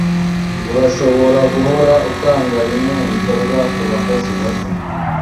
Urashobora guhora utanga bimwe mubikorwa kubakozi bato.